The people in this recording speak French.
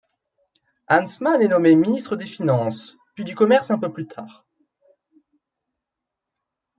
Hansemann est nommé ministre des finances, puis du commerce un peu plus tard.